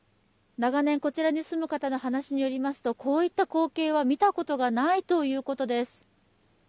長年こちらに住む方の話によりますと、こういった光景は見たことがないということです。